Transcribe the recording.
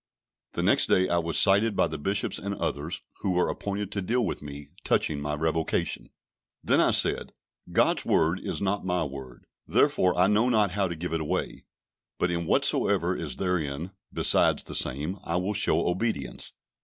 The next day I was cited by the Bishops and others, who were appointed to deal with me touching my revocation. Then I said, "God's Word is not my word, therefore I know not how to give it away; but in whatsoever is therein, besides the same, I will show obedience."